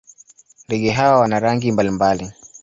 Ndege hawa wana rangi mbalimbali.